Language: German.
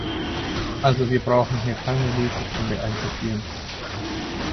Also wir brauchen hier keine Lesestunde einzuführen.